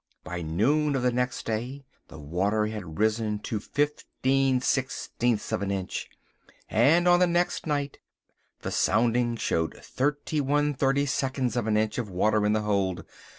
By noon of the next day the water had risen to fifteen sixteenths of an inch, and on the next night the sounding showed thirty one thirty seconds of an inch of water in the hold.